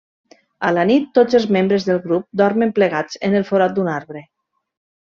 A la nit, tots els membres del grup dormen plegats en el forat d'un arbre.